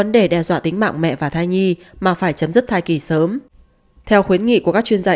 để đe dọa tính mạng mẹ và thai nhi mà phải chấm dứt thai kỳ sớm theo khuyến nghị của các chuyên gia